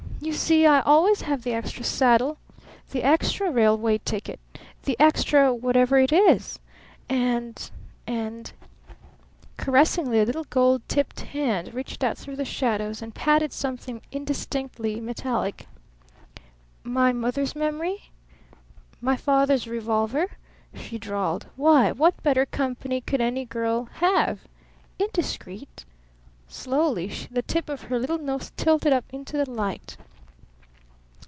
"You see I always have the extra saddle, the extra railway ticket, the extra what ever it is. And and " Caressingly a little gold tipped hand reached out through the shadows and patted something indistinctly metallic. "My mother's memory? My father's revolver?" she drawled. "Why, what better company could any girl have? Indiscreet?" Slowly the tip of her little nose tilted up into the light.